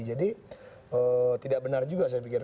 jadi tidak benar juga saya pikir